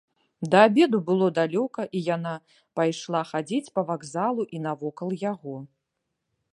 Да абеду было далёка, і яна пайшла хадзіць па вакзалу і навокал яго.